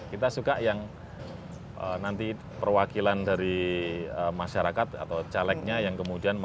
kita suka yang nanti perwakilan dari masyarakat atau calegnya yang kemudian